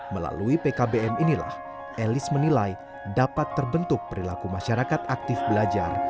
melalui pkbm inilah elis menilai dapat terbentuk perilaku masyarakat aktif belajar